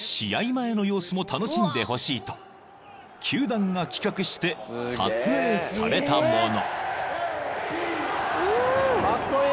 前の様子も楽しんでほしいと球団が企画して撮影されたもの］